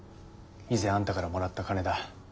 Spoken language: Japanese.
以前あんたからもらった金だ。